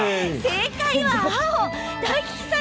正解は青。